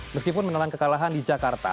meskipun menelan kekalahan di jakarta